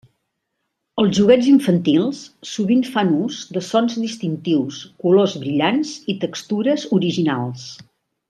Els joguets infantils sovint fan ús de sons distintius, colors brillants i textures originals.